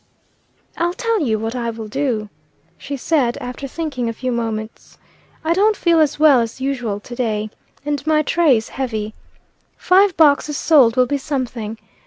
"I'll tell you what I will do," she said, after thinking a few moments; "I don't feel as well as usual to day, and my tray is heavy. Five boxes sold will be something.